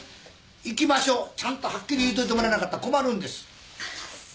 行き場所ちゃんとはっきり言うといてもらわなかったら困るんです。